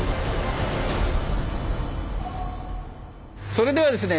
それではですね